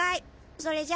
それじゃ。